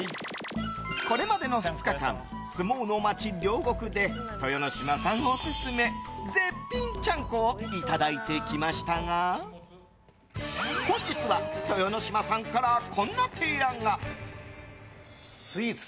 これまでの２日間相撲の街・両国で豊ノ島さんオススメ絶品ちゃんこをいただいてきましたが本日は豊ノ島さんからこんな提案が。